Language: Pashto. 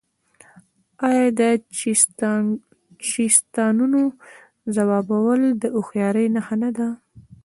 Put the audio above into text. آیا د چیستانونو ځوابول د هوښیارۍ نښه نه ده؟